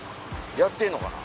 やってんのかな？